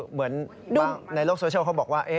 เหมือนในโลกโซเชียลเขาบอกว่า